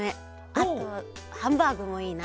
あとハンバーグもいいな。